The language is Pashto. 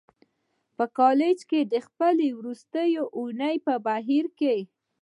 په کالج کې د خپلې وروستۍ اونۍ په بهیر کې